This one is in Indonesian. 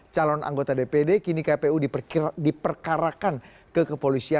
jangan tentu apa ya